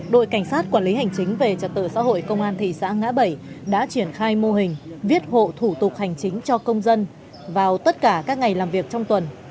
đội cảnh sát quản lý hành chính về trật tự xã hội công an thị xã ngã bảy đã triển khai mô hình viết hộ thủ tục hành chính cho công dân vào tất cả các ngày làm việc trong tuần